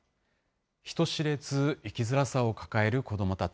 人知れず、生きづらさを抱える子どもたち。